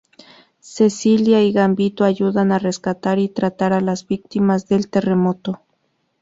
Cecilia y Gambito ayudan a rescatar y tratar a las víctimas del terremoto.